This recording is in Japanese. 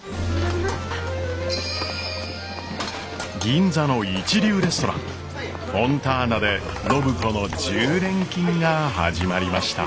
銀座の一流レストランフォンターナで暢子の１０連勤が始まりました。